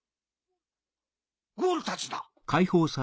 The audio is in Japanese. ゴルたちだ。